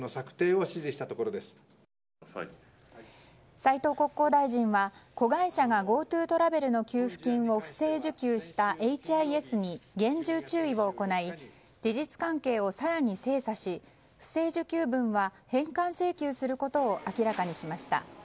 斉藤国交大臣は子会社がＧｏＴｏトラベルの給付金を不正受給したＨＩＳに厳重注意を行い、事実関係を更に精査し、不正受給分は返還請求することを明らかにしました。